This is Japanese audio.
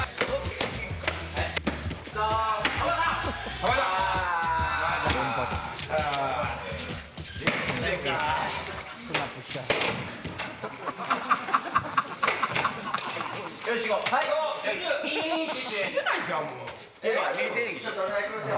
お願いしますよ。